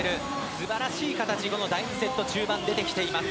素晴らしい形が第２セット中盤で出ています。